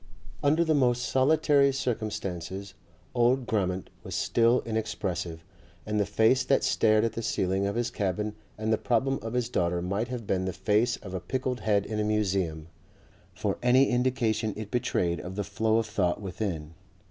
Under the most solitary circumstances old Grammont was still inexpressive, and the face that stared at the ceiling of his cabin and the problem of his daughter might have been the face of a pickled head in a museum, for any indication it betrayed of the flow of thought within.